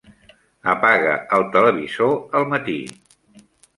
Apaga el televisor al matí.